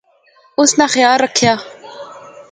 اس ناں خیال رکھِیاں